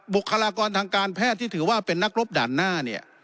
บุคลากรทางการแพทย์ที่ถือว่าเป็นนักรบด่านหน้าเนี่ย